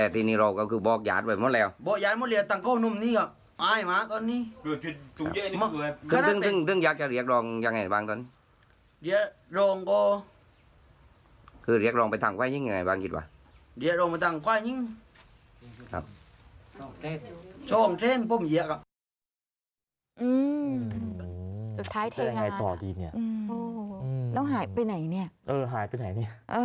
เดี๋ยวลงมาต่างกว่านี้ครับช่องเจ้นช่องเจ้นปุ้มเหยียก